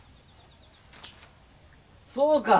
そうか！